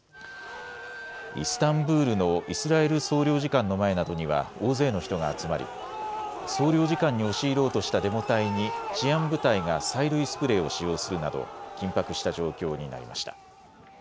イスタンブールのイスラエル総領事館の前などには大勢の人が集まり総領事館に押し入ろうとしたデモ隊に治安部隊が催涙スプレーを使用するなど緊迫した状況になりました。